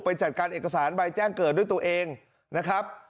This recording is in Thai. จัดการเอกสารใบแจ้งเกิดด้วยตัวเองนะครับ